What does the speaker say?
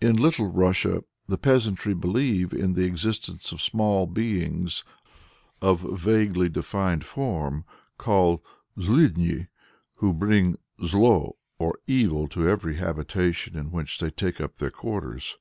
In Little Russia the peasantry believe in the existence of small beings, of vaguely defined form, called Zluidni who bring zlo or evil to every habitation in which they take up their quarters.